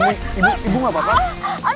aduh perut saya perut saya sakit banget